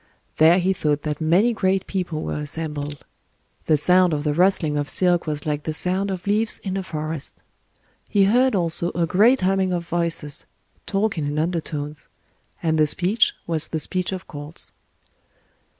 There he thought that many great people were assembled: the sound of the rustling of silk was like the sound of leaves in a forest. He heard also a great humming of voices,—talking in undertones; and the speech was the speech of courts.